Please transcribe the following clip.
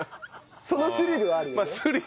そのスリルはあるよね。